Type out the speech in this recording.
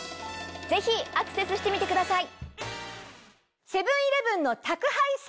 ぜひアクセスしてみてください！